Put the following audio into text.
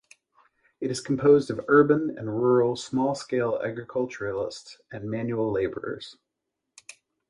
It is composed of urban and rural small-scale agriculturists and manual labourers.